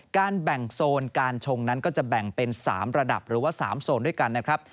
การแบ่งโซนการชงนั้นก็จะแบ่งเป็น๓ระดับหรือว่า๓โซนด้วยกันนะครับ